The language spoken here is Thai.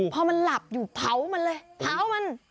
พอมันหลับอยู่เผามันเลยเผามัน